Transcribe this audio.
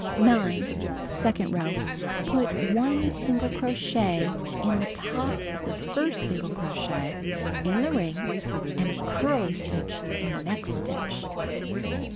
0. Second row: Put 1 single crochet in the top of the first single crochet in the ring and a eurl\' stitch in th(> next stitch.